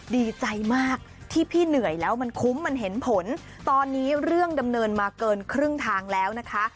ดีใจมากที่พี่เหนื่อยแล้วมันคุ้มมันเห็นผลตอนนี้เรื่องดำเนินมาเกินครึ่งทางแล้วนะคะ